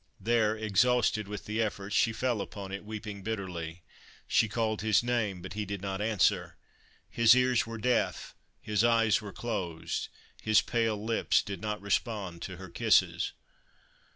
There, exhausted with the effort, she fell upon it, weeping bitterly. She called his name, but he did not answer. His ears were deaf, his eyes were closed, his pale lips did not respond to her kisses.